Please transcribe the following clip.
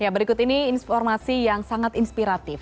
berikut ini informasi yang sangat inspiratif